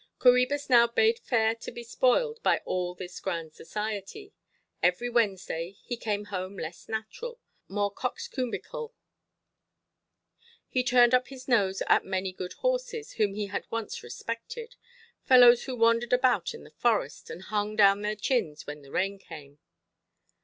Coræbus now bade fair to be spoiled by all this grand society. Every Wednesday he came home less natural, more coxcombical. He turned up his nose at many good horses, whom he had once respected, fellows who wandered about in the forest, and hung down their chins when the rain came!